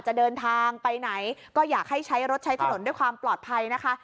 จะเดินทางไปไหนก็อยากให้ใช้รถใช้ถนนด้วยความปลอดภัยนะคะ